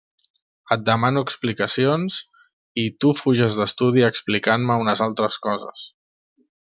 Et demano explicacions i tu fuges d'estudi explicant-me unes altres coses.